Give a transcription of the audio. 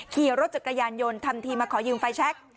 ขี่รถจักรยานยนต์ทำทีมาขอยืมไฟแชค